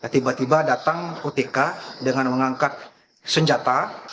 tiba tiba datang otk dengan mengangkat senjata